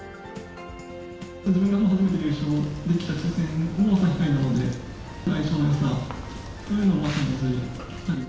自分が初めて優勝できた棋戦も朝日杯なので、相性のよさというのを感じています。